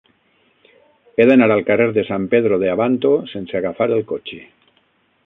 He d'anar al carrer de San Pedro de Abanto sense agafar el cotxe.